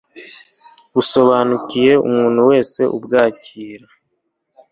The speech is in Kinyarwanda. busobanukiye umuntu wese ubwakira